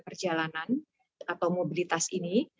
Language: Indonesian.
perjalanan atau mobilitas ini